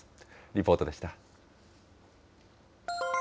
リポートでした。